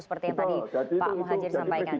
seperti yang tadi pak muhajir sampaikan